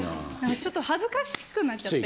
ちょっと恥ずかしくなっちゃって。